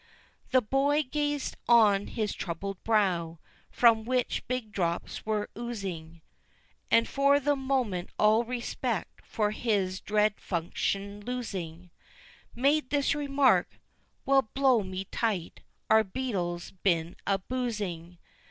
The boy gazed on his troubled brow, from which big drops were oozing, And for the moment all respect for his dread function losing, Made this remark, "Well, blow me tight, our Beadle's been a boozing!"